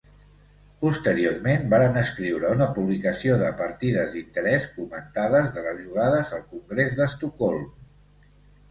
Posteriorment, varen escriure una publicació de partides d'interès comentades de les jugades al Congrés d'Estocolm.